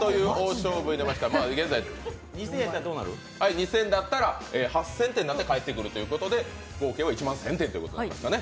２０００だったら８０００点になって返ってくるということで合計は１万１０００点となりますね。